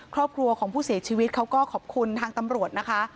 ครอบครัวของผู้เสียชีวิตเขาก็ขอบคุณทางตำรวจนะคะ